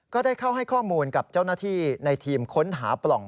ก็ได้เข้าให้ข้อมูลกับเจ้าหน้าที่ในทีมค้นหาปล่อง